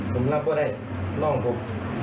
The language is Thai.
ผมรับว่าได้น้องผม